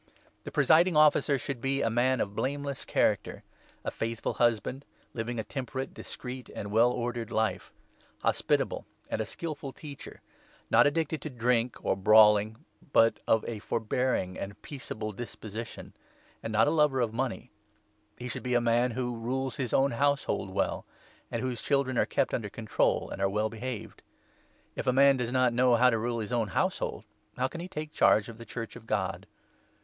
The Presiding Officer should be a man of blame 2 Jess character ; a faithful husband ; living a temperate, discreet, and well ordered life ; hospitable, and a skilful teacher, not addicted to drink or brawling, but of a for 3 bearing and peaceable disposition, and not a lover of money ; he should be a man who rules his own household well, 4 and whose children are kept under control and are well behaved. If a man does not know how to rule his own 5 household, how can he take charge of the Church of God